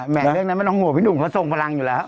เรื่องนั้นไม่ต้องห่วงพี่หนุ่มเขาทรงพลังอยู่แล้ว